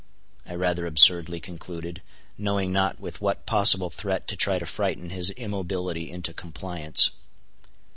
I rather absurdly concluded, knowing not with what possible threat to try to frighten his immobility into compliance.